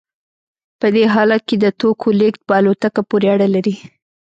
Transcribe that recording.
په دې حالت کې د توکو لیږد په الوتکه پورې اړه لري